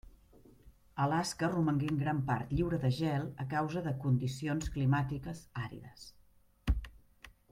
Alaska romangué en gran part lliure de gel a causa de condicions climàtiques àrides.